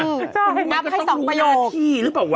มีกรรมง้ายก็วางปลอดภัณฑ์ให้๒ประยาทีรึเปล่าวะ